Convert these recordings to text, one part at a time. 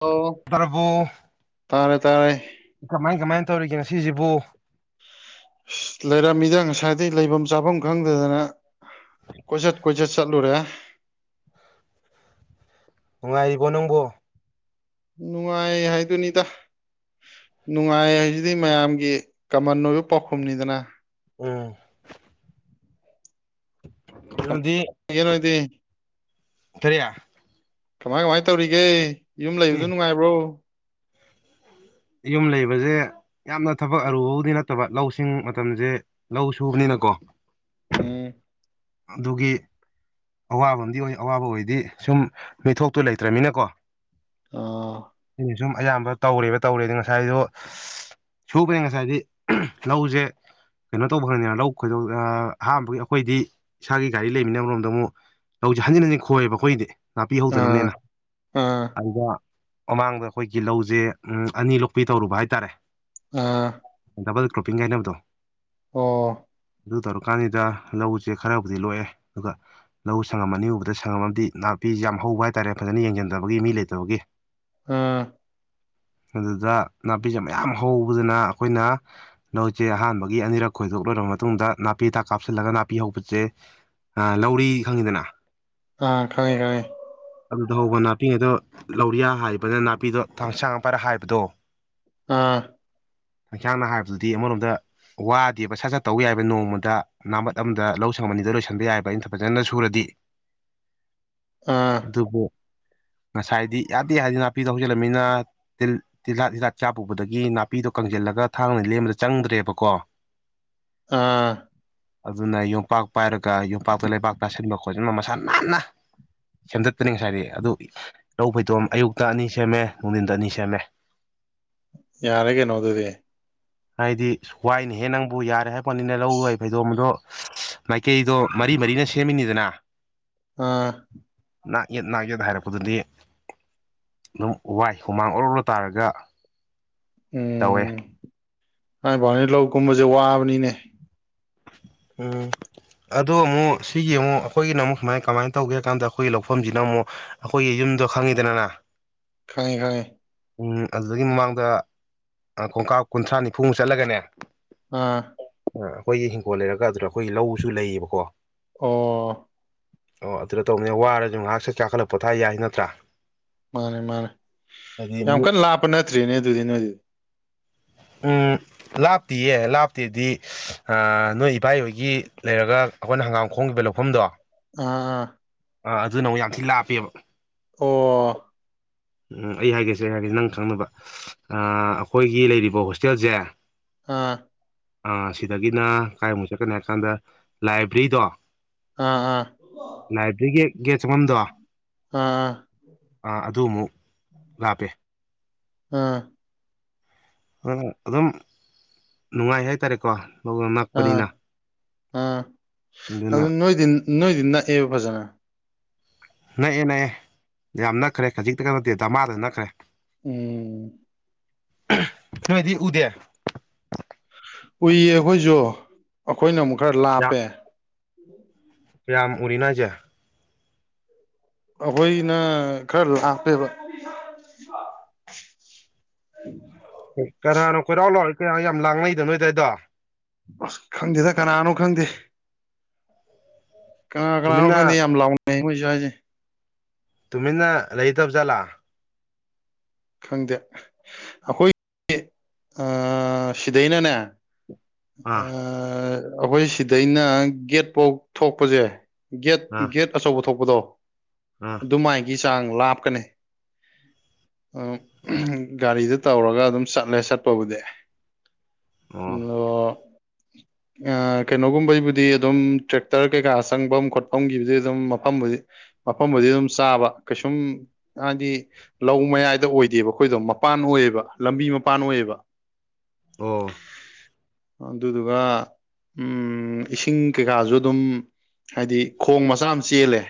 ꯑꯣ ꯇꯔꯕꯣ ꯇꯥꯔꯦ ꯇꯥꯔꯦ ꯀꯃꯥꯏ ꯀꯃꯥꯏꯅ ꯇꯧꯔꯤꯒꯦ ꯉꯁꯤꯁꯤꯕꯨ ꯂꯩꯔꯝꯃꯤꯗ ꯉꯁꯥꯏꯗꯒꯤ ꯂꯩꯐꯝ ꯆꯥꯐꯝ ꯈꯪꯗꯗꯅ ꯀꯣꯏꯆꯠ ꯀꯣꯏꯆꯠ ꯆꯠꯂꯨꯔꯦ ꯅꯨꯡꯉꯥꯏꯔꯤꯕꯣ ꯅꯪꯕꯣ ꯅꯨꯡꯉꯥꯏ ꯍꯥꯏꯗꯨꯅꯤꯗ ꯅꯨꯡꯉꯥꯏ ꯍꯥꯏꯁꯤꯗꯤ ꯃꯌꯥꯝꯒꯤ ꯀꯃꯟ ꯑꯣꯏꯕ ꯄꯥꯎꯈꯨꯝꯅꯤꯗꯅ ꯎꯝ ꯀꯩꯅꯣꯗꯤ [unintelligible] ꯍꯣꯏꯗꯤ ꯀꯔꯤ ꯀꯃꯥꯏ ꯀꯃꯥꯏ ꯇꯧꯔꯤꯒꯦ ꯌꯨꯝ ꯂꯩꯕꯗꯨ ꯎꯝ ꯅꯨꯡꯉꯥꯏꯕ꯭ꯔꯣ ꯌꯨꯝ ꯂꯩꯕꯁꯦ ꯌꯥꯝꯅ ꯊꯕꯛ ꯑꯔꯨꯕꯥꯎꯗꯤ ꯅꯠꯇꯕ ꯂꯧꯁꯤꯡ ꯃꯇꯝꯁꯦ ꯂꯧ ꯁꯨꯕꯅꯤꯅꯀꯣ ꯎꯝ ꯑꯗꯨꯒꯤ ꯑꯋꯥꯕ ꯑ ꯑꯣꯏ ꯑꯋꯥꯕ ꯑꯣꯏꯗꯤ ꯁꯨꯝ ꯃꯤꯠꯊꯣꯛꯇꯨ ꯂꯩꯇ꯭ꯔꯅꯤꯅꯀꯣ ꯑꯥ ꯁꯤ ꯁꯨꯝ ꯑꯌꯥꯝꯕ ꯇꯧꯔꯦꯕ ꯇꯧꯔꯦꯗꯤ ꯉꯁꯥꯏꯗꯣ ꯁꯨꯕꯅꯦ ꯉꯁꯥꯏꯗꯤ ꯂꯧꯁꯦ ꯀꯩꯅꯣ ꯇꯧꯕ ꯐꯪꯅꯤꯅ ꯂꯧ ꯈꯣꯏꯗꯧ ꯑꯍꯥꯟꯕꯒꯤ ꯑꯩꯈꯣꯏꯗꯤ ꯏꯁꯥꯒꯤ ꯒꯥꯔꯤ ꯂꯩꯃꯤꯟꯅꯕꯔꯣꯝꯗ ꯑꯃꯨꯛ ꯂꯧꯁꯦ ꯍꯟꯖꯤꯟ ꯍꯟꯖꯤꯟ ꯈꯣꯏꯑꯕ ꯑꯩꯈꯣꯏꯗꯤ ꯅꯥꯄꯤ ꯑꯥ ꯍꯧꯗꯅꯕꯅꯦꯅ ꯑꯥ ꯑꯗꯨꯗ ꯃꯃꯥꯡꯗ ꯑꯩꯈꯣꯏꯒꯤ ꯂꯧꯁꯦ ꯑꯅꯤ ꯂꯣꯛꯄꯤ ꯇꯧꯔꯨꯕ ꯍꯥꯏꯇꯥꯔꯦ ꯑ ꯗꯕꯜ ꯀ꯭ꯔꯣꯄꯤꯡꯒꯥꯏꯅꯕꯗꯣ ꯑꯣ ꯑꯗꯨ ꯇꯧꯔꯀꯥꯟꯁꯤꯗ ꯂꯧꯁꯦ ꯈꯔꯕꯨꯗꯤ ꯂꯣꯛꯑꯦ ꯑꯗꯨꯒ ꯂꯧ ꯁꯪꯉꯝꯃꯅꯤ ꯎꯕꯗ ꯁꯪꯉꯝꯃꯕꯗꯤ ꯅꯥꯄꯤꯁꯤ ꯌꯥꯝ ꯍꯧꯕ ꯍꯥꯏꯇꯥꯔꯦ ꯐꯖꯅ ꯌꯦꯡꯁꯤꯟꯗꯕꯒꯤ ꯃꯤ ꯂꯩꯇꯕꯒꯤ ꯑꯥ ꯑꯗꯨꯗ ꯅꯥꯄꯤꯁꯦ ꯃꯌꯥꯝ ꯍꯧꯕꯗꯅ ꯑꯩꯈꯣꯏꯅ ꯂꯧꯁꯦ ꯑꯍꯥꯟꯕꯒꯤ ꯑꯅꯤꯔꯛ ꯈꯣꯏꯗꯣꯛꯂꯣꯏꯔꯕ ꯃꯇꯨꯡꯗ ꯅꯥꯄꯤꯗ ꯀꯥꯞꯁꯤꯜꯂꯒ ꯅꯥꯄꯤ ꯍꯧꯕ ꯁꯦ ꯂꯧꯔꯤ ꯈꯪꯉꯤꯗꯅ ꯑ ꯈꯪꯉꯦ ꯈꯪꯉꯦ ꯑꯗꯨꯗ ꯍꯧꯕ ꯅꯥꯄꯤ ꯑꯗꯣ ꯂꯧꯔꯤꯌꯥ ꯍꯥꯏꯕꯅ ꯅꯥꯄꯤꯗꯣ ꯍꯁꯥꯡ ꯄꯔ ꯍꯥꯏꯕꯗꯣ ꯑꯥ ꯍꯟꯁꯥꯡꯅ ꯍꯥꯏꯕꯗꯨꯗꯤ ꯑꯃꯔꯣꯝꯗ ꯋꯥꯗꯦꯕ ꯁꯥ ꯁꯠ ꯁꯠ ꯇꯧ ꯌꯥꯏꯕ ꯅꯣꯡꯃꯗ ꯅꯥꯃꯠ ꯑꯃꯗ ꯂꯧ ꯁꯪ ꯑꯃꯅꯤ ꯑꯅꯤꯗ ꯂꯣꯏꯁꯤꯟꯕ ꯌꯥꯏꯕ ꯑꯩꯅ ꯐꯖꯅ ꯁꯨꯔꯗꯤ ꯑꯥ ꯑꯗꯨꯕꯨ ꯉꯁꯥꯏꯗꯤ ꯌꯥꯗꯦ ꯌꯥꯔꯗꯤ ꯅꯥꯄꯤꯗ ꯍꯧꯖꯤꯜꯂꯅꯤꯅ ꯇꯤꯜꯍꯥꯠ ꯍꯤꯗꯥꯠ ꯆꯥ ꯄꯨꯕꯗꯒꯤ ꯅꯥꯄꯤꯗꯣ ꯀꯪꯁꯤꯜꯂꯒ ꯊꯥꯡꯅ ꯂꯦꯝꯕꯗ ꯆꯪꯗ꯭ꯔꯦꯕꯀꯣ ꯑꯥ ꯑꯗꯨꯅ ꯌꯣꯄꯥꯛ ꯄꯥꯏꯔꯒ ꯌꯣꯝꯄꯥꯛꯇ ꯂꯩꯕꯥꯛ ꯇꯥꯁꯤꯟꯕ ꯈꯣꯠꯆꯟꯕ ꯃꯁꯥ ꯅꯥꯟꯅ ꯁꯦꯝꯗꯠꯇꯅꯤ ꯉꯁꯥꯏꯗꯤ ꯑꯗꯨ ꯂꯧ ꯐꯩꯇꯣꯝ ꯑꯌꯨꯛꯇ ꯑꯅꯤ ꯁꯦꯝꯃꯦ ꯅꯨꯡꯊꯤꯟꯗ ꯑꯅꯤ ꯁꯦꯝꯃꯦ ꯌꯥꯔꯦ ꯀꯩꯅꯣ ꯗꯨꯗꯤ ꯍꯥꯏꯗꯤ ꯋꯥꯏꯅꯦꯍꯦ ꯅꯪꯕꯨ ꯌꯥꯔꯦ ꯍꯥꯏꯕꯩ ꯋꯥꯅꯤꯅꯦ ꯂꯧꯔꯣꯏ ꯐꯩꯗꯣꯝꯕꯗꯣ ꯃꯥꯏꯀꯩꯗꯣ ꯃꯔꯤ ꯃꯔꯤꯅ ꯁꯦꯝꯃꯤꯅꯤꯗꯅ ꯑꯥ ꯅꯥꯛ ꯌꯦꯠ ꯅꯥꯛ ꯌꯦꯗ ꯍꯥꯏꯔꯛꯄꯗꯨꯗꯤ ꯑꯗꯨꯝ ꯋꯥꯏ ꯍꯨꯃꯥꯡ ꯑꯣꯔꯛꯂꯣ ꯇꯥꯔꯒ ꯇꯧꯋꯦ ꯊꯥꯏ ꯚꯥꯎꯅꯦ ꯂꯧ ꯀꯨꯝꯕꯁꯦ ꯋꯥꯕꯅꯤꯅꯦ ꯎꯝ ꯑꯗꯣ ꯑꯃꯨꯛ ꯁꯤꯒꯤ ꯑꯃꯨꯛ ꯑꯩꯈꯣꯏꯒꯤꯅ ꯑꯃꯨꯛ ꯁꯨꯃꯥꯏ ꯀꯃꯥꯏꯅ ꯇꯧꯒꯦ ꯍꯥꯏ ꯀꯥꯟꯗ ꯑꯩꯈꯣꯏꯒꯤ ꯂꯧꯐꯝꯁꯤꯅ ꯑꯃꯨꯛ ꯑꯩꯈꯣꯏꯒꯤ ꯏꯟꯗꯣ ꯈꯪꯉꯤꯗꯅꯅ ꯈꯪꯉꯦ ꯈꯪꯉꯦ ꯎꯝ ꯑꯗꯨꯗꯒꯤ ꯃꯃꯥꯡꯗ ꯀꯣꯡꯀꯥ ꯀꯨꯟꯊ꯭ꯔꯥ ꯅꯤꯐꯨꯃꯨꯛ ꯆꯠꯂꯒꯅꯦ ꯑꯥ ꯑ ꯑꯩꯈꯣꯏꯒꯤ ꯍꯤꯡꯈꯣꯜ ꯂꯩꯔꯒ ꯑꯗꯨꯗ ꯑꯩꯈꯣꯏꯒꯤ ꯂꯧꯁꯨ ꯂꯩꯌꯦꯕꯀꯣ ꯑꯣ ꯑꯣ ꯑꯗꯨꯗ ꯇꯧꯄ ꯋꯥꯔꯁꯨ ꯉꯥꯏꯍꯥꯛ ꯁꯦ ꯀꯥꯈꯠꯂ ꯄꯣꯊꯥ ꯌꯥꯏ ꯅꯠꯇ꯭ꯔꯥ ꯃꯥꯅꯦ ꯃꯥꯅꯦ ꯍꯥꯏꯗꯤ ꯌꯥꯝ ꯀꯟꯅ ꯂꯥꯞꯄ ꯅꯠꯇ꯭ꯔꯤꯅꯦ ꯑꯗꯨꯗꯤ ꯅꯣꯏꯗꯤ ꯎꯝ ꯂꯥꯞꯇꯤꯌꯦ ꯂꯥꯞꯇꯦꯗꯤ ꯅꯣꯏ ꯏꯄꯥꯍꯣꯏꯒꯤ ꯂꯩꯔꯒ ꯑꯩꯈꯣꯏꯅ ꯍꯪꯒꯥꯝ ꯈꯣꯡꯈꯤꯕ ꯂꯧꯐꯝꯗꯣ ꯑꯥ ꯑꯥ ꯑꯥ ꯑꯗꯨꯅ ꯑꯃꯨꯛ ꯌꯥꯝ ꯊꯤ ꯂꯥꯞꯄꯦꯕ ꯑꯣ ꯎꯝ ꯑꯩ ꯍꯥꯏꯒꯦꯁꯦ ꯑꯩ ꯍꯥꯏꯒꯁꯦ ꯅꯪ ꯈꯪꯅꯕ ꯑꯩꯈꯣꯏꯒꯤ ꯂꯩꯔꯤꯕ ꯍꯣꯁꯇꯦꯜꯁꯦ ꯑꯥ ꯁꯤꯗꯒꯤꯅ ꯀꯗꯥꯥꯏꯃꯨꯛ ꯆꯠꯀꯅꯤ ꯍꯥꯏ ꯀꯥꯟꯗ ꯂꯥꯏꯕ꯭ꯔꯤꯗꯣ ꯑꯥ ꯑꯥ ꯂꯥꯏꯕꯔꯤꯒꯤ ꯒꯦꯠ ꯆꯪꯕꯝꯗꯣ ꯑꯥ ꯑꯗꯨ ꯑꯃꯨꯛ ꯂꯥꯞꯄꯦ ꯎꯝ ꯑ ꯑꯗꯨ ꯑꯗꯨꯝ ꯅꯨꯡꯉꯥꯏ ꯍꯥꯏꯇꯥꯔꯦꯀꯣ ꯂꯧꯅ ꯑꯥ ꯅꯛꯄꯅꯤꯅ ꯑꯥ ꯑꯗꯨꯅ ꯑꯗꯨ ꯅꯣꯏꯗꯤ ꯅꯣꯏꯗꯤ ꯅꯛꯑꯦꯕ ꯐꯖꯅ ꯅꯛꯑꯦ ꯅꯛꯑꯦ ꯌꯥꯝ ꯅꯛꯈ꯭ꯔꯦ ꯈꯖꯤꯛꯇ ꯈ ꯅꯠꯇꯦ ꯗꯃꯥꯗ ꯅꯛꯈ꯭ꯔꯦ ꯎꯝ ꯅꯣꯏꯗꯤ ꯎꯗꯦ ꯎꯏꯌꯦ ꯑꯩꯈꯣꯏꯁꯨ ꯑꯩꯈꯣꯏꯅ ꯑꯃꯨꯛ ꯈꯔ ꯂꯥꯞꯄꯦ ꯔꯝ ꯑꯔꯤꯅꯣ ꯍꯥꯏꯁꯦ ꯑꯩꯈꯣꯏꯅ ꯈꯔ ꯂꯥꯛꯄꯦꯕ ꯍ ꯀꯅꯥꯅꯣ ꯀꯣꯏꯂꯧꯎ ꯂꯧꯔꯤꯗꯣ ꯀꯌꯥ ꯌꯥꯝ ꯂꯥꯡꯅꯩꯗ ꯅꯣꯏꯗꯗꯥꯏꯗꯣ ꯑꯁ ꯈꯪꯗꯦꯗ ꯀꯅꯥꯅꯣ ꯈꯪꯗꯦ ꯀꯅꯥ ꯀꯅꯥꯅꯣ ꯇꯨꯃꯤꯟꯅ ꯈꯪꯗꯦ ꯌꯥꯝ ꯂꯥꯎꯅꯩ ꯃꯣꯏ ꯁꯋꯥꯏꯁꯦ ꯇꯨꯃꯤꯟꯅ ꯂꯩꯇꯕ ꯆꯠꯂꯥ ꯈꯪꯗꯦ ꯑꯩꯈꯣꯏ ꯁꯤꯗꯩꯅꯅꯦ ꯑꯥ ꯑꯩꯈꯣꯏ ꯁꯤꯗꯩꯅ ꯒꯦꯠꯐꯧ ꯊꯣꯛꯄꯁꯦ ꯒꯦꯠ ꯑꯥ ꯒꯦꯠ ꯑꯆꯧꯕ ꯊꯣꯛꯄꯗꯣ ꯑꯥ ꯑꯗꯨꯃꯥꯏ ꯒꯤ ꯆꯥꯡ ꯂꯥꯞꯀꯅꯤ ꯒꯥꯔꯤꯗ ꯇꯧꯔꯒ ꯑꯗꯨꯝ ꯆꯠꯂꯦ ꯆꯠꯄꯕꯨꯗꯤ [inaudible] [unintelligible] ꯀꯩꯅꯣꯒꯨꯝꯕꯩꯕꯨꯗꯤ ꯑꯗꯨꯝ ꯇ꯭ꯔꯦꯛꯇꯔ ꯀꯩꯀꯥ ꯆꯪꯐꯝ ꯈꯣꯠꯐꯝꯒꯤꯕꯨꯗꯤ ꯑꯗꯨꯝ ꯃꯐꯝꯕꯨꯗꯤ ꯃꯐꯝꯕꯨꯗꯤ ꯑꯗꯨꯝ ꯆꯥꯕ ꯀꯩꯁꯨꯝ ꯍꯥꯏꯗꯤ ꯂꯧ ꯃꯌꯥꯏꯗ ꯑꯣꯏꯗꯦꯕ ꯑꯩꯈꯣꯏꯗꯣ ꯃꯄꯥꯟ ꯑꯣꯏꯌꯦꯕ ꯂꯝꯕꯤ ꯃꯄꯥꯟ ꯑꯣꯏꯌꯦꯕ ꯑꯣꯥ ꯑꯗꯨꯗꯨꯒ ꯎꯝ ꯏꯁꯤꯡ ꯀꯩꯀꯥꯁꯨ ꯑꯗꯨꯝ ꯍꯥꯏꯗꯤ ꯈꯣꯡ ꯃꯆꯥ ꯑꯃ ꯆꯦꯜꯂꯦ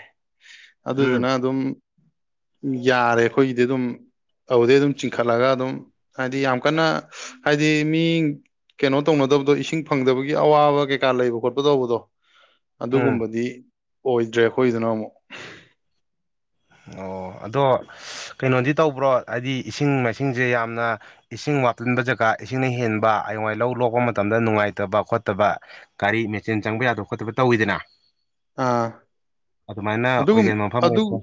ꯎꯝ ꯑꯗꯨꯗꯨꯅ ꯑꯗꯨꯝ ꯌꯥꯔꯦ ꯑꯩꯈꯣꯏꯒꯤꯗꯤ ꯑꯗꯨꯝ ꯑꯗꯨꯗꯩ ꯑꯗꯨꯝ ꯆꯤꯡꯈꯠꯂꯒ ꯑꯗꯨꯝ ꯍꯥꯏꯗꯤ ꯌꯥꯝ ꯀꯟꯅ ꯍꯥꯏꯗꯤ ꯃꯤ ꯀꯩꯅꯣ ꯇꯧꯅꯗꯕꯗꯣ ꯏꯁꯤꯡ ꯐꯪꯗꯕꯒꯤ ꯑꯋꯥꯕ ꯀꯩꯀꯥ ꯂꯩꯕ ꯈꯣꯠꯄ ꯇꯧꯕꯗꯣ ꯎꯝ ꯑꯗꯨꯒꯨꯝꯕꯗꯤ ꯑꯣꯏꯗ꯭ꯔꯦ ꯑꯩꯈꯣꯏꯗꯨꯅ ꯑꯃꯨꯛ ꯑꯗꯣ ꯀꯩꯅꯣꯗꯤ ꯇꯧꯕ꯭ꯔꯣ ꯍꯥꯏꯗꯤ ꯏꯁꯤꯡ ꯃꯥꯏꯁꯤꯡꯁꯦ ꯌꯥꯝꯅ ꯏꯁꯤꯡ ꯋꯥꯠꯄꯟꯕ ꯖꯒꯥ ꯏꯁꯤꯡꯅ ꯍꯦꯟꯕ ꯑꯌꯋꯥꯏ ꯂꯧ ꯂꯣꯛꯄ ꯃꯇꯝꯗ ꯅꯨꯡꯉꯥꯏꯇꯕ ꯈꯣꯠꯇꯕ ꯒꯥꯔꯤ ꯃꯦꯆꯤꯟ ꯆꯪꯕ ꯌꯥꯗꯕ ꯈꯣꯠꯇꯕ ꯇꯧꯋꯤꯗꯅ ꯑ ꯑꯗꯨꯃꯥꯏꯅ ꯑꯗꯨꯒꯨꯝ ꯑꯣꯏꯒꯟꯕ ꯃꯐꯝ ꯑꯗꯨ ꯑꯣꯏꯕ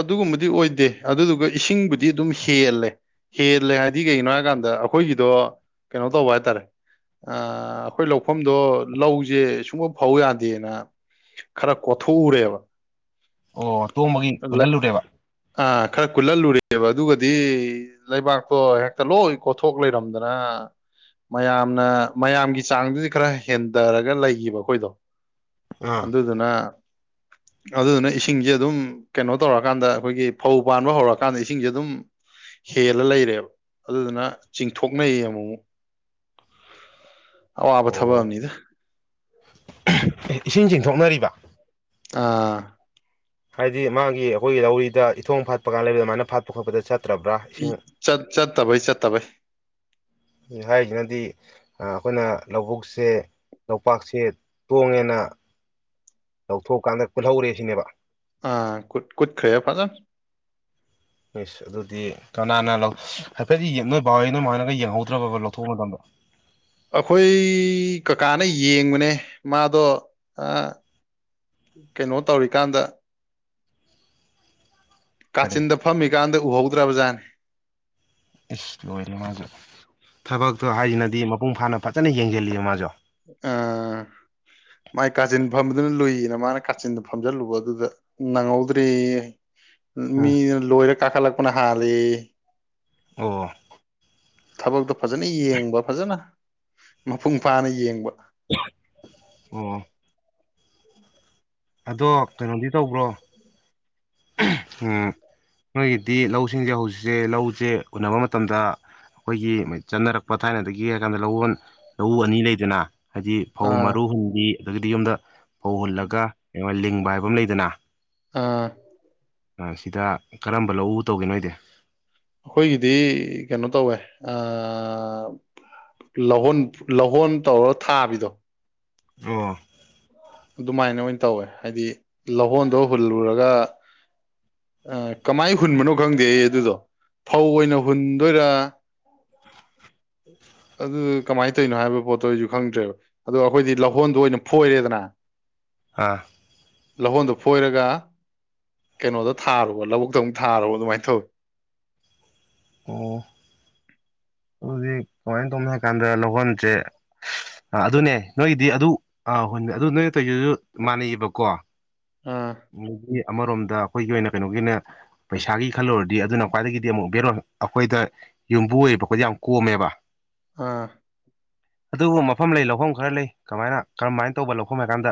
ꯑꯗꯨꯒꯨꯝꯕꯗꯤ ꯑꯣꯏꯗꯦ ꯑꯗꯨꯗꯨꯒ ꯏꯁꯤꯡꯕꯨꯗꯤ ꯑꯗꯨꯝ ꯍꯦꯜꯂꯦ ꯍꯦꯜꯂꯦ ꯍꯥꯏꯗꯤ ꯀꯩꯒꯤꯅꯣ ꯍꯥꯏꯀꯥꯟꯗ ꯑꯩꯈꯣꯏꯒꯤꯗꯣ ꯀꯩꯅꯣ ꯇꯧꯕ ꯍꯥꯏꯇꯥꯔꯦ ꯑꯩꯈꯣꯏ ꯂꯧꯐꯝꯗꯣ ꯂꯧꯁꯦ ꯁꯨꯡꯕ ꯐꯧ ꯌꯥꯗꯦꯅ ꯈꯔ ꯀꯣꯊꯣꯛꯎꯔꯦꯕ ꯑꯣ ꯇꯣꯝꯕꯒꯤ ꯄꯨꯜꯍꯜꯂꯨꯔꯦꯕ ꯑꯥ ꯈꯔ ꯀꯨꯜꯍꯜꯂꯨꯔꯦꯕ ꯑꯗꯨꯒꯗꯤ ꯂꯩꯕꯥꯛꯇꯣ ꯍꯦꯛꯇ ꯂꯣꯏ ꯀꯣꯊꯣꯛ ꯂꯩꯔꯝꯗꯅ ꯃꯌꯥꯝꯅ ꯃꯌꯥꯝꯒꯤ ꯆꯥꯡꯗꯨꯗꯤ ꯈꯔ ꯍꯦꯟꯊꯔꯒ ꯂꯩꯈꯤꯕ ꯑꯩꯈꯣꯏꯗꯣ ꯑꯥ ꯑꯗꯨꯗꯨꯅ ꯑꯗꯨꯗꯨꯅ ꯏꯁꯤꯡꯁꯦ ꯑꯗꯨꯝ ꯀꯩꯅꯣ ꯇꯧꯔꯀꯥꯟꯗ ꯑꯩꯈꯣꯏꯒꯤ ꯐꯧ ꯄꯥꯟꯕ ꯍꯧꯔꯀꯥꯟꯗ ꯏꯁꯤꯡꯁꯦ ꯑꯗꯨꯝ ꯍꯦꯜꯂ ꯂꯩꯔꯦꯕ ꯑꯗꯨꯗꯨꯅ ꯆꯤꯡꯊꯣꯛꯅꯩꯌꯦ ꯑꯃꯨꯛ ꯑꯋꯥꯕ ꯊꯕꯛ ꯑꯣ ꯑꯅꯤꯗ ꯏꯁꯤꯡ ꯆꯤꯡꯊꯣꯛꯅꯔꯤꯕ ꯑꯥ ꯍꯥꯏꯗꯤ ꯃꯥꯒꯤ ꯑꯩꯈꯣꯏꯒꯤ ꯂꯧꯔꯤꯗ ꯏꯊꯣꯡ ꯐꯥꯠꯄ ꯀꯥꯟ ꯂꯩꯕꯗ ꯑꯗꯥꯏꯅꯥ ꯐꯥꯠꯄ ꯈꯣꯠꯄꯗ ꯆꯠ ꯠ ꯆꯠꯇꯕꯩ ꯆꯠꯇꯕꯩ ꯍꯥꯏꯔꯤꯁꯤꯅꯗꯤ ꯑꯩꯈꯣꯏꯅ ꯂꯧꯕꯨꯛꯁꯦ ꯂꯄꯥꯛꯁꯦ ꯇꯣꯡꯉꯦꯅ ꯂꯧꯊꯣꯛꯑꯀꯥꯟꯗ ꯄꯨꯜꯍꯧꯔꯦ ꯁꯤꯅꯦꯕ ꯑ ꯀꯨꯠꯈꯦ ꯐꯖꯟ ꯍꯁ ꯑꯗꯨꯗꯤ ꯀꯅꯥꯅ ꯂꯧ ꯍꯥꯏꯐꯦꯠꯗꯤ ꯅꯣꯏ ꯕꯥꯍꯣꯏ ꯅꯣꯏ ꯃꯥ ꯍꯣꯏꯅꯒ ꯌꯦꯡꯍꯧꯗ꯭ꯔꯕꯔꯕꯥ ꯂꯧꯊꯣꯛꯄ ꯃꯇꯝꯗ ꯑꯩꯈꯣꯏ ꯀꯀꯥꯅ ꯌꯦꯡꯕꯅꯦ ꯃꯥꯗꯣ ꯑꯥ ꯀꯩꯅꯣ ꯇꯧꯔꯤꯀꯥꯟꯗ ꯀꯔꯤ ꯀꯥꯆꯤꯟꯗ ꯐꯝꯃꯤꯀꯥꯟꯗ ꯎꯍꯧꯗ꯭ꯔꯕ ꯖꯥꯠꯅꯤ ꯏꯁꯁ ꯂꯣꯏꯔꯦ ꯃꯥꯁꯨ ꯊꯕꯛꯇꯣ ꯍꯥꯏꯁꯤꯅꯗꯤ ꯃꯄꯨꯡ ꯐꯥꯅ ꯐꯖꯅ ꯌꯦꯡꯁꯤꯜꯂꯤꯕ ꯃꯥꯁꯨ ꯑ ꯃꯥꯏ ꯀꯥꯆꯤꯟ ꯐꯝꯕꯗꯨꯅ ꯂꯨꯏꯌꯦꯅ ꯃꯥꯅ ꯀꯥꯆꯤꯟꯗ ꯐꯝꯖꯤꯟꯂꯨꯕ ꯗꯨꯗ ꯅꯪꯍꯧꯗ꯭ꯔꯤ ꯌꯦ ꯎꯝ ꯃꯤꯅ ꯂꯣꯏꯔ ꯀꯥꯈꯠꯂꯛꯄꯅ ꯍꯜꯂꯦꯌꯦ ꯑꯣ ꯊꯕꯛꯇꯣ ꯐꯖꯅ ꯌꯦꯡꯕ ꯐꯖꯅ ꯃꯄꯨꯡ ꯐꯥꯅ ꯌꯦꯡꯕ ꯑꯣ ꯑꯗꯣ ꯀꯩꯅꯣꯗꯤ ꯇꯧꯕ꯭ꯔꯣ ꯃꯣꯏꯒꯤꯗꯤ ꯂꯧꯁꯤꯡꯁꯦ ꯍꯧꯖꯤꯛꯁꯦ ꯂꯧꯁꯦ ꯎꯟꯅꯅꯕ ꯃꯇꯝꯗ ꯑꯩꯈꯣꯏꯒꯤ ꯆꯠꯟꯅꯔꯛꯄ ꯊꯥꯏꯅꯗꯒꯤ ꯍꯥꯏꯔ ꯀꯥꯟꯗ ꯂꯧ ꯂꯧꯎ ꯑꯅꯤ ꯂꯩꯗꯅ ꯍꯥꯏꯗꯤ ꯐꯧ ꯑꯥ ꯃꯔꯨ ꯍꯨꯟꯕꯤ ꯑꯗꯒꯤꯗꯤ ꯌꯨꯝꯗ ꯐꯧ ꯍꯨꯜꯂꯒ ꯑꯩꯉ ꯂꯤꯡꯕ ꯍꯥꯏꯕ ꯑꯃ ꯂꯩꯗꯅ ꯑꯥ ꯁꯤꯗ ꯀꯔꯝꯕ ꯂꯧ ꯇꯧꯒꯦꯅꯣꯣꯏꯗꯤ ꯑꯩꯈꯣꯏꯒꯤꯗꯤ ꯀꯩꯅꯣ ꯇꯧꯋꯦ ꯑꯥ ꯂꯧꯍꯨꯟ ꯂꯧꯍꯣꯟ ꯇꯧꯔꯒ ꯊꯥꯕꯤꯗꯣ ꯑꯣ ꯑꯗꯨꯃꯥꯏꯅ ꯑꯣꯏꯅ ꯇꯧꯋꯦ ꯍꯥꯏꯗꯤ ꯂꯧꯍꯣꯟꯗꯣ ꯍꯨꯜꯂꯨꯔꯒ ꯑꯥ ꯀꯃꯥꯏ ꯍꯨꯟꯕꯅꯣ ꯈꯪꯗꯦ ꯑꯩ ꯑꯗꯨꯗꯣ ꯐꯧ ꯑꯣꯏꯅ ꯍꯨꯟꯗꯣꯏꯔ [inaudible] ꯑꯗꯨꯗꯣ ꯀꯃꯥꯏꯅ ꯇꯧꯔꯤꯅꯣ ꯍꯥꯏꯕ ꯄꯣꯠꯇꯣ ꯑꯩꯁꯨ ꯈꯪꯗ꯭ꯔꯦꯕ ꯑꯗꯣ ꯑꯩꯈꯣꯏꯗꯤ ꯂꯧꯍꯣꯟꯗꯣ ꯑꯣꯏꯅ ꯐꯣꯏꯔꯦꯗꯅ ꯑꯥ ꯂꯧꯍꯣꯟꯗꯣ ꯐꯣꯏꯔꯒ ꯀꯩꯅꯣꯗꯣ ꯊꯥꯔꯣꯕ ꯂꯧꯕꯨꯛꯇ ꯑꯃꯨꯛ ꯊꯥꯔꯣꯕ ꯑꯗꯨꯃꯥꯏꯅ ꯇꯧꯋꯤ ꯑꯣ ꯍꯧꯖꯤꯛ ꯀꯃꯥꯏꯅ ꯇꯧꯅꯤ ꯍꯥꯏ ꯀꯥꯟꯗ ꯂꯧꯍꯣꯟꯁꯦ ꯑ ꯑꯗꯨꯅꯦ ꯅꯣꯏꯒꯤꯗꯤ ꯑꯗꯨ ꯑꯥ ꯍꯨꯟꯕꯤ ꯑꯗꯨ ꯅꯣꯏꯅ ꯇꯩꯔꯤꯁꯤꯁꯨ ꯃꯥꯟꯅꯩꯌꯦꯕꯀꯣ ꯑꯥ ꯃꯣꯏꯒꯤ ꯑꯃꯔꯣꯝꯗ ꯑꯩꯈꯣꯏꯒꯤ ꯑꯣꯏꯅ ꯀꯩꯅꯣꯒꯤ ꯑꯣꯏꯅ ꯄꯩꯁꯥꯒꯤ ꯈꯜꯂꯨꯔꯗꯤ ꯑꯗꯨꯅ ꯈ꯭ꯋꯥꯏꯗꯒꯤꯗꯤ ꯑꯃꯨꯛ ꯕꯦꯔꯣꯜ ꯑꯩꯈꯣꯏꯗ ꯌꯨꯝꯕꯨ ꯑꯣꯏꯔꯤꯕ ꯈꯣꯏꯗ ꯌꯥꯝ ꯀꯣꯝꯃꯦꯕ ꯑꯥ ꯑꯗꯨꯒ ꯃꯐꯝ ꯂꯧꯐꯝ ꯂꯩ ꯂꯧꯐꯝ ꯈꯔ ꯂꯩ ꯀꯃꯥꯏꯅ ꯀꯔꯝꯃꯥꯏꯅ ꯇꯧꯕ ꯂꯧꯐꯝꯅꯣ ꯍꯥꯏ ꯀꯥꯟꯗ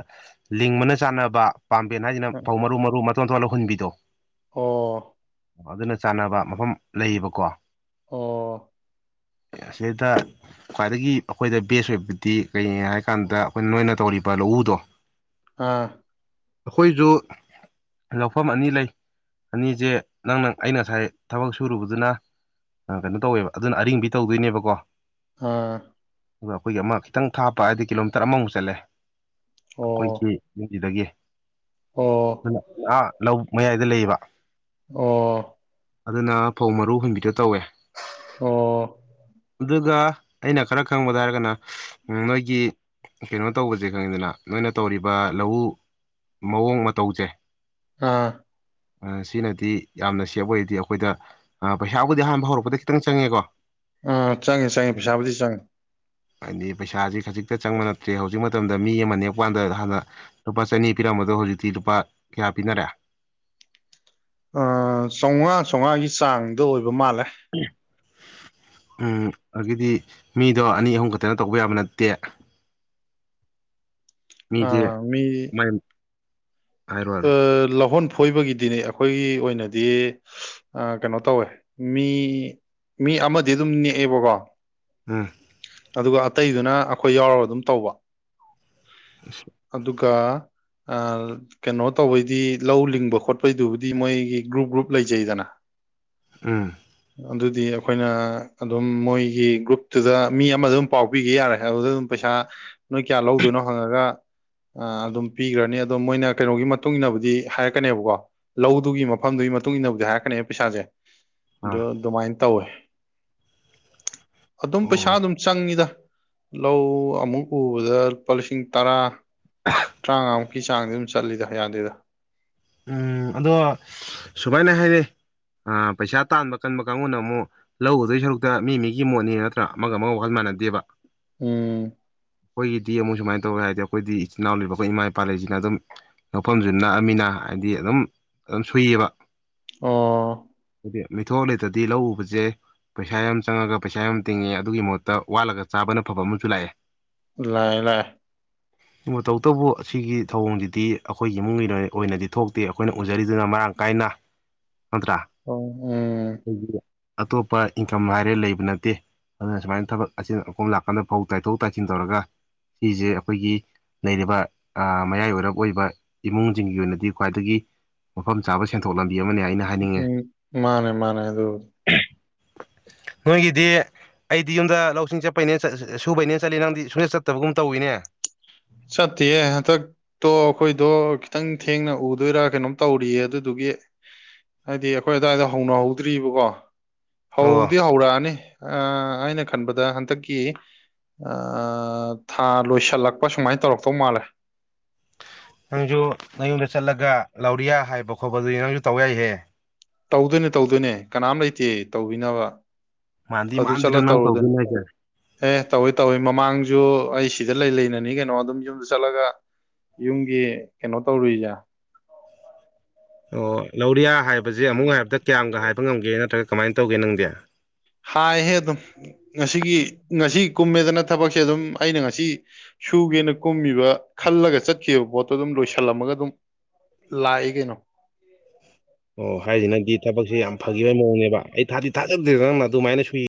ꯂꯤꯡꯕꯅ ꯆꯥꯟꯅꯕ ꯄꯥꯝꯕꯦꯟ ꯍꯥꯏꯁꯤꯅ ꯐꯧ ꯃꯔꯨ ꯃꯔꯨ ꯃꯇꯣꯟ ꯊꯣꯛꯍꯜꯂꯥ ꯍꯨꯟꯕꯤꯗꯣ ꯑꯣ ꯑꯗꯨꯅ ꯆꯥꯟꯅꯕ ꯃꯐꯝ ꯂꯩꯌꯦꯕꯀꯣ ꯑꯣ ꯑꯁꯤꯗ ꯈ꯭ꯋꯥꯏꯗꯒꯤ ꯑꯩꯈꯣꯏꯗ ꯕꯦꯁ ꯑꯣꯏꯕꯗꯤ ꯀꯩꯅꯣ ꯍꯥꯏꯀꯥꯟꯗ ꯑꯩꯈꯣꯏ ꯅꯣꯏꯅ ꯇꯧꯔꯤꯕ ꯂꯧꯎꯗꯣ ꯑꯥ ꯑꯩꯈꯣꯏꯁꯨ ꯂꯧꯐꯝ ꯑꯅꯤ ꯂꯩ ꯑꯅꯤꯁꯦ ꯅꯪꯅ ꯑꯩꯅ ꯉꯁꯥꯏ ꯊꯕꯛ ꯁꯨꯔꯨꯕꯗꯨꯅ ꯀꯩꯅꯣ ꯇꯧꯋꯦꯕ ꯑꯗꯨꯅ ꯑꯔꯤꯡꯕꯤ ꯇꯧꯗꯣꯏꯅꯦꯕꯀꯣ ꯑꯥ ꯒ ꯑꯩꯈꯣꯏꯒꯤ ꯑꯃ ꯈꯤꯇꯪ ꯊꯥꯞꯄ ꯍꯥꯏꯗꯤ ꯀꯤꯂꯣꯃꯤꯇꯔ ꯑꯃꯃꯨꯛ ꯆꯠꯂꯦ ꯑꯩꯈꯣꯏꯒꯤ ꯑꯣ ꯈꯣꯏ ꯁꯤꯗꯒꯤ ꯑꯣ ꯑꯗꯨꯅ ꯑꯥ ꯂꯧꯕꯨꯛ ꯃꯌꯥꯏꯗ ꯂꯩꯌꯦꯕ ꯑꯣ ꯑꯗꯨꯅ ꯐꯧ ꯃꯔꯨ ꯍꯨꯟꯕꯤꯗꯣ ꯇꯧꯋꯦ ꯑꯣ ꯑꯗꯨꯒ ꯑꯩꯅ ꯈꯔ ꯈꯪꯕꯗ ꯍꯥꯏꯔꯒꯅ ꯅꯣꯏꯒꯤ ꯀꯩꯅꯣ ꯇꯧꯕꯁꯦ ꯈꯪꯉꯤꯗꯅ ꯅꯣꯏꯅ ꯇꯧꯔꯤꯕ ꯂꯧꯎ ꯃꯑꯣꯡ ꯃꯇꯧꯁꯦ ꯑꯥ ꯁꯤꯅꯗꯤ ꯌꯥꯝꯅ ꯁꯦꯞ ꯑꯣꯏꯔꯗꯤ ꯑꯩꯈꯣꯏꯗ ꯄꯩꯁꯥꯕꯨꯗꯤ ꯑꯍꯥꯟꯕ ꯍꯧꯔꯛꯄꯗ ꯈꯤꯇꯪ ꯆꯪꯉꯦꯀꯣ ꯎꯥ ꯆꯪꯉꯦ ꯆꯪꯉꯦ ꯄꯩꯁꯥꯕꯨꯗꯤ ꯆꯪꯉꯦ ꯍꯥꯏꯗꯤ ꯄꯩꯁꯥꯁꯤ ꯈꯖꯤꯛꯇ ꯆꯪꯕ ꯅꯠꯇ꯭ꯔꯦ ꯍꯧꯖꯤꯛ ꯃꯇꯝꯗ ꯃꯤ ꯑꯃ ꯅꯦꯛꯄ ꯀꯥꯟꯗ ꯍꯥꯟꯅ ꯂꯨꯄꯥ ꯆꯅꯤ ꯄꯤꯔꯝꯕꯗꯣ ꯍꯧꯖꯤꯛꯇꯤ ꯂꯨꯄꯥ ꯀꯌꯥ ꯄꯤꯅꯔꯦ ꯑꯥ ꯆꯧꯉꯥ ꯆꯧꯉꯥꯒꯤ ꯆꯥꯡꯗ ꯑꯣꯏꯕ ꯃꯥꯜꯂꯦ ꯎꯝ ꯑꯒꯤꯗꯤ ꯃꯤꯗꯣ ꯑꯅꯤ ꯑꯍꯨꯝ ꯈꯛꯇꯅ ꯇꯧꯕ ꯌꯥꯕ ꯅꯠꯇꯦ ꯃꯤꯁꯦ ꯑꯥ ꯃꯤ ꯃꯥꯏ ꯍꯥꯏꯔꯣ ꯍꯥꯏꯔꯣ ꯑꯥ ꯂꯧꯍꯣꯟ ꯐꯣꯏꯕꯒꯤꯗꯤꯅꯦ ꯑꯩꯈꯣꯏꯒꯤ ꯑꯣꯏꯅꯗꯤ ꯑꯥ ꯀꯩꯅꯣ ꯇꯧꯋꯦ ꯃꯤ ꯃꯤ ꯑꯃꯗꯤ ꯑꯗꯨꯝ ꯅꯦꯛꯑꯦꯕꯀꯣ ꯎꯝ ꯑꯗꯨꯒ ꯑꯇꯩꯗꯨꯅ ꯑꯩꯈꯣꯏ ꯌꯥꯎꯔꯒ ꯑꯗꯨꯝ ꯇꯧꯕ [inaudible] ꯑꯗꯨꯒ ꯑꯥ ꯀꯩꯅꯣ ꯇꯧꯕꯩꯗꯤ ꯂꯧ ꯂꯤꯡꯕ ꯈꯣꯠꯄꯩꯗꯨꯕꯨꯗꯤ ꯃꯣꯏꯒꯤ ꯒ꯭ꯔꯨꯞ ꯒ꯭ꯔꯨꯞ ꯂꯩꯖꯩꯗꯅ ꯎꯝ ꯑꯗꯨꯗꯤ ꯑꯩꯈꯣꯏꯅ ꯑꯗꯨꯝ ꯃꯣꯏꯒꯤ ꯒ꯭ꯔꯨꯞ ꯑꯗꯨꯗ ꯃꯤ ꯑꯃꯗ ꯑꯗꯨꯝ ꯄꯥꯎ ꯄꯤꯒꯦ ꯌꯥꯔꯦ ꯑꯗꯨꯗ ꯑꯗꯨꯝ ꯄꯩꯁꯥ ꯅꯣꯏ ꯀꯌꯥ ꯂꯧꯗꯣꯏꯅꯣ ꯍꯪꯉꯒ ꯑꯗꯨꯝ ꯄꯤꯈ꯭ꯔꯅꯤ ꯑꯗꯣ ꯃꯣꯏꯅ ꯀꯩꯅꯣꯒꯤ ꯃꯇꯨꯡ ꯏꯟꯅꯕꯨꯗꯤ ꯍꯥꯏꯔꯛꯀꯅꯦꯕꯀꯣ ꯂꯧꯗꯨꯒꯤ ꯃꯐꯝꯗꯨꯒꯤ ꯃꯇꯨꯡ ꯏꯟꯅꯕꯨꯗꯤ ꯍꯥꯏꯔꯛꯀꯅꯤ ꯄꯩꯁꯥꯁꯦ ꯗꯨ ꯑꯥ ꯑꯗꯨꯃꯥꯏꯅ ꯇꯧꯋꯦ ꯑꯗꯨꯝ ꯄꯩꯁꯥ ꯑꯣ ꯑꯗꯨꯝ ꯆꯪꯉꯤꯗ ꯂꯧ ꯑꯃꯨꯛ ꯎꯕꯗ ꯂꯨꯄꯥ ꯂꯤꯁꯤꯡ ꯇꯔꯥ ꯑ [inaudible] ꯇꯔꯥꯃꯉꯥꯃꯨꯛꯀꯤ ꯆꯥꯡꯗꯤ ꯑꯗꯨꯝ ꯆꯠꯂꯤꯗ ꯌꯥꯥꯗꯦꯗ ꯎꯝ ꯑꯗꯣ ꯁꯨꯃꯥꯏꯅ ꯍꯥꯏꯔꯦ ꯄꯩꯁꯥ ꯇꯥꯟꯕ ꯀꯟꯕ ꯀꯥꯡꯕꯨꯅ ꯑꯃꯨꯛ ꯂꯧ ꯎꯗꯣꯏ ꯁꯔꯨꯛꯇ ꯃꯤ ꯃꯤꯒꯤ ꯃꯣꯠꯅꯤ ꯅꯠꯇ꯭ꯔꯥ ꯑꯃꯒ ꯑꯃꯒ ꯋꯥꯈꯜ ꯃꯥꯟꯅꯗꯦꯕ ꯎꯝ ꯑꯩꯈꯣꯏꯒꯤꯗꯤ ꯃꯛ ꯁꯨꯃꯥꯏꯅ ꯇꯧꯋꯦ ꯍꯥꯏꯗꯤ ꯈꯣꯢꯗꯤ ꯏꯆꯤꯟ ꯏꯅꯥꯎꯕ ꯑꯩꯈꯣꯏ ꯏꯃꯥ ꯏꯄꯥꯜ ꯂꯩꯁꯤꯅ ꯑꯗꯨꯝ ꯂꯧ ꯐꯝꯁꯨ ꯅꯛꯑꯃꯤꯅ ꯍꯥꯏꯗꯤ ꯑꯗꯨꯝ ꯑꯗꯨꯝ ꯁꯨꯌꯦꯕ ꯑꯣ ꯃꯤꯊꯣꯛ ꯂꯩꯇ꯭ꯔꯗꯤ ꯂꯧ ꯎꯕꯖꯦ ꯄꯩꯁꯥ ꯌꯥꯝ ꯆꯪꯉꯒ ꯄꯩꯁꯥ ꯌꯥꯝ ꯇꯤꯡꯉꯦ ꯑꯗꯨꯒꯤ ꯃꯍꯨꯠꯇ ꯋꯥꯠꯂꯒ ꯆꯥꯕꯅ ꯐꯕ ꯑꯃꯖꯨ ꯂꯥꯛꯑꯦ ꯂꯥꯑꯦ ꯂꯥꯑꯦ ꯃꯇꯧꯇꯕꯨ ꯑꯁꯤꯒꯤ ꯊꯧꯑꯣꯡꯖꯤꯗꯤ ꯑꯈꯣꯏꯒꯤ ꯏꯃꯨꯡ ꯃꯤꯂꯣꯏ ꯑꯣꯏꯅꯗꯤ ꯊꯣꯛꯇꯦ ꯑꯈꯣꯏꯅ ꯎꯖꯔꯤꯗꯨꯅ ꯃꯔꯥꯡ ꯀꯥꯏꯅ ꯅꯠꯇ꯭ꯔꯥ ꯑꯣ ꯎꯝ [inaudible] ꯑꯇꯣꯞꯄ ꯏꯟꯀꯝ ꯍꯥꯏꯔꯦ ꯂꯩꯕ ꯅꯠꯇꯦ ꯑꯗꯨꯅ ꯁꯨꯃꯥꯏ ꯊꯕꯛ ꯑꯆꯤꯟ ꯑꯀꯣꯝ ꯂꯥꯛꯀꯥꯟꯗ ꯐꯧ ꯇꯥꯏꯊꯣꯛ ꯇꯥꯏꯁꯤꯟ ꯇꯧꯔꯒ ꯁꯤꯁꯦ ꯑꯩꯈꯣꯏꯒꯤ ꯂꯩꯔꯤꯕ ꯃꯌꯥꯏ ꯑꯣꯏꯔꯞ ꯑꯣꯏꯕ ꯏꯃꯨꯡꯁꯤꯡꯒꯤ ꯑꯣꯏꯅꯗꯤ ꯈ꯭ꯋꯥꯏꯗꯒꯤ ꯃꯐꯝ ꯆꯥꯕ ꯁꯦꯟꯊꯣꯛ ꯂꯝꯕꯤ ꯑꯃꯅꯤ ꯑꯩꯅ ꯍꯥꯏꯅꯤꯡꯉꯦ ꯎꯝ ꯃꯥꯅꯦ ꯃꯥꯅꯦ [inaudible] ꯅꯣꯏꯒꯤꯗꯤ ꯑꯩꯗꯤ ꯌꯨꯝꯗ ꯂꯧꯁꯤꯡ ꯆꯠꯄꯩꯅꯦꯅ ꯁꯨꯕꯩꯅꯦꯅ ꯆꯠꯂꯤ ꯅꯪꯗꯤ ꯁꯨꯗꯠ ꯆꯠꯇꯕꯒꯨꯝ ꯇꯧꯋꯤꯅꯦ ꯆꯠꯇꯦꯌꯦ ꯍꯥꯟꯗꯥꯛ ꯇꯣ ꯑꯩꯈꯣꯏꯗꯣ ꯈꯤꯇꯪ ꯊꯦꯡꯅ ꯎꯗꯣꯏꯔꯥ ꯀꯩꯅꯣꯝ ꯇꯧꯔꯤꯌꯦ ꯑꯗꯨꯗꯨꯒꯤ ꯍꯥꯏꯗꯤ ꯑꯩꯈꯣꯏ ꯑꯗꯨ ꯋꯥꯏꯗꯣ ꯍꯧꯅꯍꯧꯗ꯭ꯔꯤꯕꯀꯣ ꯑꯣ ꯍꯧꯗꯤ ꯍꯧꯔꯛꯑꯅꯤ ꯑ ꯑꯩꯅ ꯈꯟꯕꯗ ꯍꯟꯗꯛꯀꯤ ꯑ ꯊꯥ ꯂꯣꯏꯁꯤꯜꯂꯛ ꯁꯨꯃꯥꯏ ꯇꯧꯔꯛꯇꯧ ꯃꯥꯜꯂꯦ ꯅꯪꯖꯨ ꯅꯌꯨꯝꯗ ꯆꯠꯂꯒ ꯂꯧꯔꯤꯌꯥ ꯍꯥꯏꯕ ꯈꯣꯠꯄꯗꯨꯗꯤ ꯅꯪꯖꯨ ꯇꯧ ꯌꯥꯏꯍꯦ ꯇꯧꯗꯨꯅꯦ ꯇꯧꯗꯨꯅꯦ ꯀꯅꯥꯝ ꯂꯩꯇꯦ ꯇꯧꯕꯤꯅꯕ ꯃꯥꯥꯟꯗꯤ ꯑꯗꯨ ꯃꯥꯟꯗꯔꯦ ꯆꯠꯂ ꯅꯪ ꯇꯧꯔꯨꯗꯣꯏꯅꯤ ꯇꯧꯗꯨꯅꯦ ꯍꯥꯏꯖꯦ ꯑꯦ ꯇꯧꯋꯦ ꯇꯧꯋꯦ ꯃꯃꯥꯡꯖꯨ ꯑꯩ ꯁꯤꯗ ꯂꯩ ꯂꯩꯅꯅꯤ ꯀꯩꯅꯣ ꯑꯗꯨꯝ ꯌꯨꯝꯗ ꯆꯠꯂꯒ ꯌꯨꯝꯒꯤ ꯀꯩꯅꯣ ꯇꯧꯔꯨꯏꯔꯥ ꯑꯣ ꯂꯧꯔꯤꯌꯥ ꯍꯥꯏꯕꯖꯦ ꯑꯃꯨꯛ ꯍꯥꯏꯕꯗ ꯀꯌꯥꯝꯒ ꯍꯥꯏꯕ ꯉꯝꯒꯦ ꯅꯠꯇ꯭ꯔꯒ ꯀꯃꯥꯏ ꯇꯧꯒꯦ ꯅꯪꯗꯤ ꯍꯥꯏꯍꯦ ꯑꯗꯨꯝ ꯉꯁꯤꯒꯤ ꯉꯁꯤ ꯀꯨꯝꯃꯦꯗꯅ ꯊꯕꯛꯁꯦ ꯑꯗꯨꯝ ꯑꯩꯅ ꯉꯁꯤ ꯁꯨꯒꯦꯅ ꯀꯨꯝꯃꯤꯕ ꯈꯜꯂꯒ ꯆꯠꯈꯤꯕ ꯄꯣꯠꯇꯣ ꯑꯗꯨꯝ ꯂꯣꯏꯁꯤꯜꯂꯝꯃꯒ ꯑꯗꯨꯝ ꯂꯥꯛꯏ ꯀꯩꯅꯣ ꯑꯣ ꯍꯥꯏꯖꯤ ꯅꯪꯗꯤ ꯊꯕꯛꯁꯦ ꯌꯥꯝ ꯐꯒꯤꯕꯩ ꯃꯋꯣꯡꯅꯦꯕ ꯑꯩ ꯊꯥꯗꯤ ꯊꯥꯖꯗꯦꯗ ꯅꯪꯅ ꯑꯗꯨꯃꯥꯏꯅ ꯁꯨꯏ